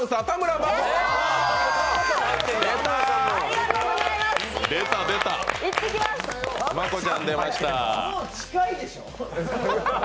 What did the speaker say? もう近いでしょ？